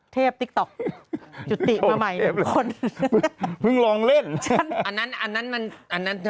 ติ๊กต๊อกจุติมาใหม่เพิ่งลองเล่นอันนั้นอันนั้นมันอันนั้น